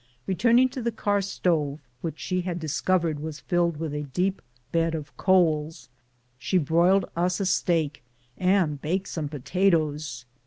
Keturning to the car stove, which she had discovered was filled with a deep bed of coals, she broiled us a steak and baked some potatoes.